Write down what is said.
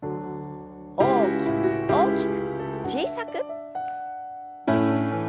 大きく大きく小さく。